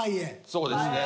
そうですね。